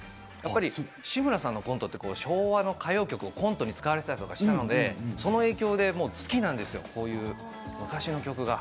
志村さんのコントって昭和の歌謡曲をコントに使われていたりしたので、その影響で好きなんです、昔の曲が。